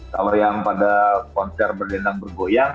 kalau yang pada konser berdendang bergoyang